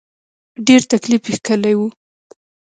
ډېر تکليف یې کشلی و.